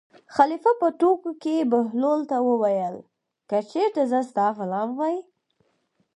خلیفه په ټوکو کې بهلول ته وویل: که چېرې زه ستا غلام وای.